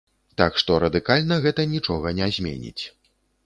Так што, радыкальна гэта нічога не зменіць.